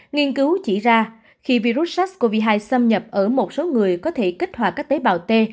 nghiên cứu chỉ ra khi virus sars cov hai xâm nhập ở một số người có thể kích hoạt các tế bào t